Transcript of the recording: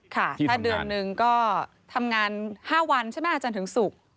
ค่ะถ้าเดือนหนึ่งก็ทำงาน๕วันใช่ไหมอาจารย์ถึงศุกร์